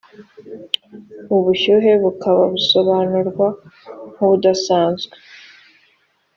ubu bushyuhe bukaba busobanurwa nk’ubudasanzwe